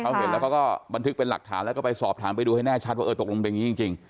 เขาเห็นแล้วเขาก็บันทึกเป็นหลักฐานแล้วก็ไปสอบถามไปดูให้แน่ชัดว่าเออตกลงเป็นอย่างนี้จริง